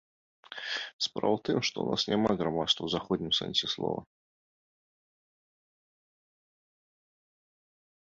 Справа ў тым, што ў нас няма грамадства ў заходнім сэнсе слова.